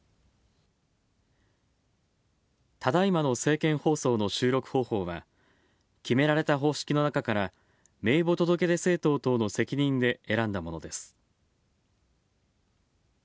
ただいまの政見放送の収録方法は、決められた方式の中から名簿届出政党等の責任で選んだものです。